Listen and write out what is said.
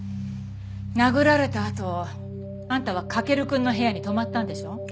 殴られたあとあんたは駆くんの部屋に泊まったんでしょ？